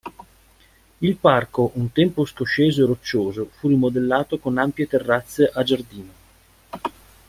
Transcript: Il parco un tempo scosceso e roccioso fu rimodellato con ampie terrazze a giardino.